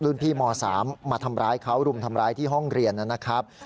พี่ม๓มาทำร้ายเขารุมทำร้ายที่ห้องเรียนนะครับ